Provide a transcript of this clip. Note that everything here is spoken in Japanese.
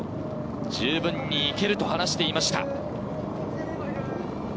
十分にいけると話していました。